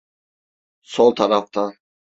Sol tarafta.